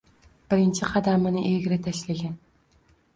Birinchi qadamini egri tashlagan